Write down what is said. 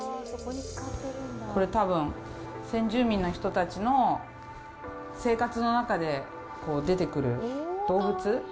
これ、多分、先住民の人たちの生活の中で出てくる動物？